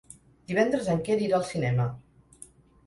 Divendres en Quer irà al cinema.